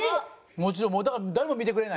もちろんだから誰も見てくれない。